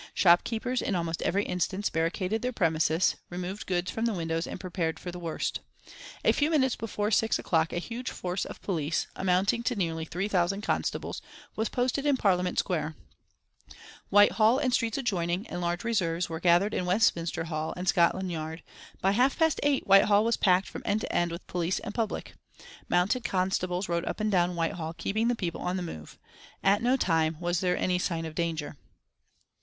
Shop keepers in almost every instance barricaded their premises, removed goods from the windows and prepared for the worst. A few minutes before six o'clock a huge force of police, amounting to nearly three thousand constables, was posted in Parliament Square, Whitehall, and streets adjoining, and large reserves were gathered in Westminster Hall and Scotland Yard. By half past eight Whitehall was packed from end to end with police and public. Mounted constables rode up and down Whitehall keeping the people on the move. At no time was there any sign of danger....